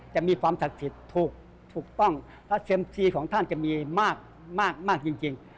จะมีความศักดิ์สิทธิ์ถูกต้องและเซ็มซีของท่านจะมีมากจริง